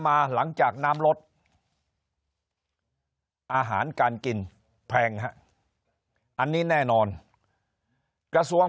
มาหลังจากน้ำลดอาหารการกินแพงฮะอันนี้แน่นอนกระทรวง